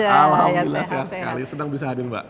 alhamdulillah sehat sekali senang bisa hadir mbak